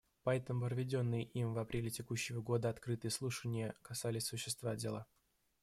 Поэтому проведенные им в апреле текущего года открытые слушания касались существа дела.